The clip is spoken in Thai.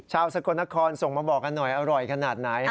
สกลนครส่งมาบอกกันหน่อยอร่อยขนาดไหน